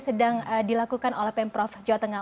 sedang dilakukan oleh pemprov jawa tengah